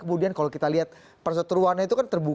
membantu kesiapan itu kan